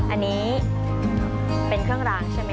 อันนี้เป็นเครื่องรางใช่ไหมค